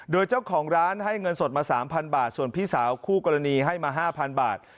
โดยเจ้าของร้านให้เงินสดมา๓๐๐บาทส่วนพี่สาวคู่กรณีให้มา๕๐๐บาท